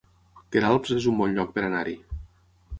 Queralbs es un bon lloc per anar-hi